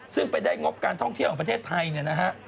ซึ่งไปได้งบการท่องเที่ยวของประเทศไทยเนี่ยนะฮะ